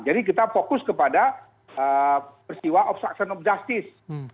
jadi kita fokus kepada persiwa obstruction of justice